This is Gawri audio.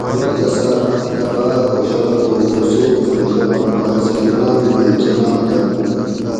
باچہ صاۤب ان دہ باۤر خوشال ہُو خو سوچ مئی گا اُوں آۤس کہ انعام مئی کۤناں دۤم